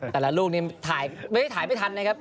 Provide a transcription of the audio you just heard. แต่ละลูกนี้ไม่ได้ถ่ายไม่ทันเลยครับ